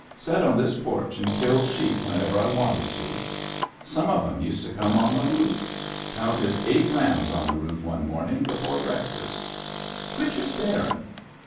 Set on this porch and killed sheep whenever I wanted to. Some of 'em used to come on the roof. Counted eight rams on the roof one morning before breakfast. Quit your staring